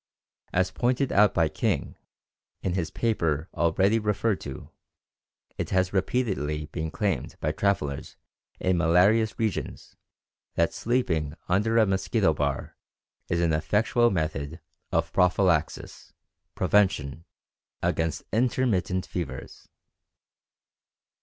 As pointed out by King, in his paper already referred to, it has repeatedly been claimed by travelers in malarious regions that sleeping under a mosquito bar is an effectual method of prophylaxis [prevention] against intermittent fevers.